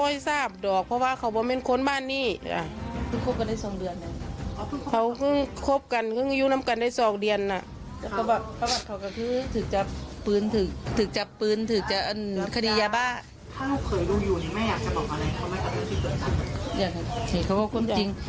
อยากให้เขาบอกความจริง